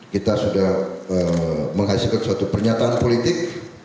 kita sudah menghasilkan suatu pernyataan politik